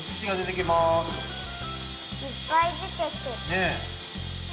ねえ！